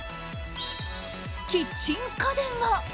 キッチン家電が！